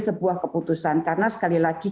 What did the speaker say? sebuah keputusan karena sekali lagi